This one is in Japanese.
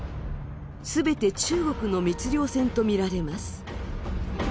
全て中国の密漁船とみられます。